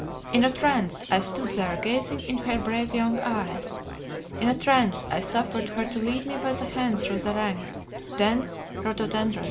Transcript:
In a trance I stood there gazing into her brave young eyes. In a trance I suffered her to lead me by the hand through the rank, dense rhododendrons.